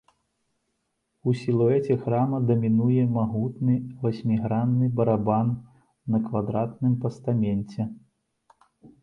У сілуэце храма дамінуе магутны васьмігранны барабан на квадратным пастаменце.